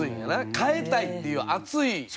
「変えたい」っていう熱い思い